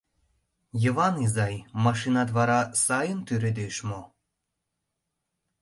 — Йыван изай, машинат вара сай тӱредеш мо?